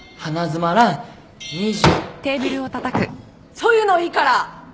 そういうのいいから！